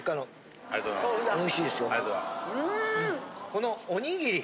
このおにぎり。